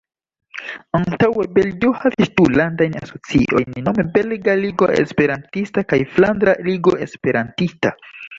Antaŭe Belgio havis du Landajn Asociojn, nome Belga Ligo Esperantista kaj Flandra Ligo Esperantista.